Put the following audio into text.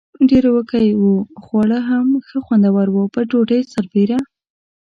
ډېر وږي و، خواړه هم ښه خوندور و، پر ډوډۍ سربېره.